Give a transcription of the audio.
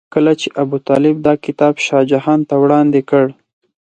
کله چې ابوطالب دا کتاب شاه جهان ته وړاندې کړ.